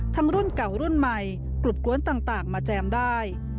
รุ่นเก่ารุ่นใหม่กลุ่มกวนต่างมาแจมได้